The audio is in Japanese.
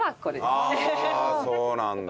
ああそうなんだ。